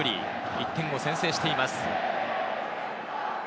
１点を先制しています。